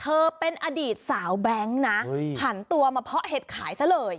เธอเป็นอดีตสาวแบงค์นะหันตัวมาเพาะเห็ดขายซะเลย